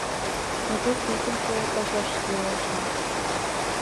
Ме тушто икымше пачашыште илышна...